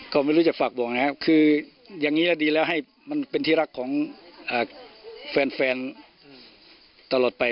ก็ไม่รู้จะฝากบอกนะครับคืออย่างนี้แล้วดีแล้วให้มันเป็นที่รักของแฟนตลอดไป